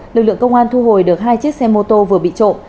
lực lượng công an thu hồi được hai chiếc xe mô tô vừa bị trộm